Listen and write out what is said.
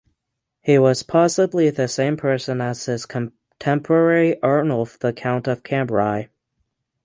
He was possibly the same person as his contemporary Arnulf the count of Cambrai.